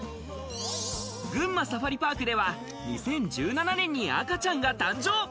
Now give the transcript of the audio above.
群馬サファリパークでは２０１７年に赤ちゃんが誕生。